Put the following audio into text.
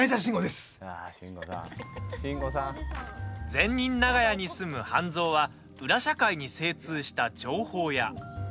善人長屋に住む半造は裏社会に精通した情報屋。